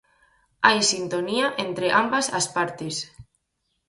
Hai sintonía entre ambas as partes.